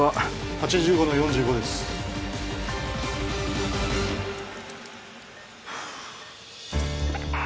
８５の４５ですふーっ